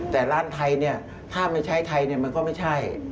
แต่ร้านไทยเนี่ยถ้าไม่ใช้ไทยมันก็ไม่ใช่